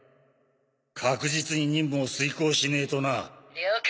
確実に任務を遂行しねえとな。了解。